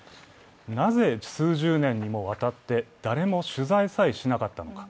なぜ数十年にもわたって誰も取材さえしなかったのか。